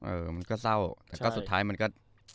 มันก็เศร้าแต่ก็สุดท้ายมันก็